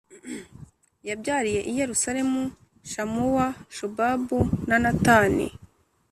yabyariye i Yerusalemu Shamuwa, Shobabu na Natani